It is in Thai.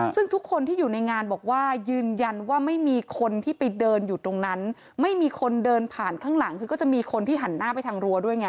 ซึ่งทุกคนที่อยู่ในงานบอกว่ายืนยันว่าไม่มีคนที่ไปเดินอยู่ตรงนั้นไม่มีคนเดินผ่านข้างหลังคือก็จะมีคนที่หันหน้าไปทางรั้วด้วยไง